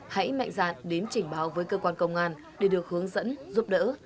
hãy mạnh dạn đến trình báo với cơ quan công an để được hướng dẫn giúp đỡ